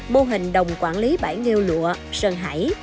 mô hình đồng quản lý bãi nghêu lụa sơn hải